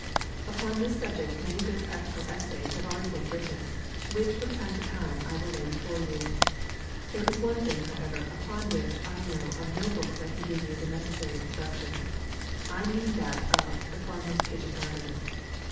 Upon this subject many good practical essays have already been writ ten, which from time to time I will lay before you. There is one thing, however, upon which 1 know of no book that can give you the necessary instruction. 1 mean that of the Farmer's Kitchen Garden.